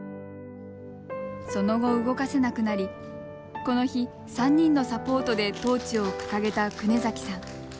その後、動かせなくなりこの日、３人のサポートでトーチを掲げた久根崎さん。